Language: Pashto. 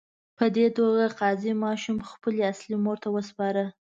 په دې توګه قاضي ماشوم خپلې اصلي مور ته وسپاره.